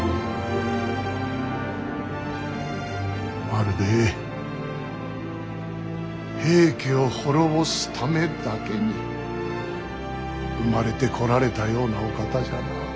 まるで平家を滅ぼすためだけに生まれてこられたようなお方じゃな。